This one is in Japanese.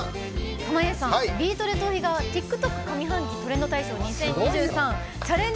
濱家さん「ビートＤＥトーヒ」が「ＴｉｋＴｏｋ上半期トレンド大賞２０２３」チャレンジ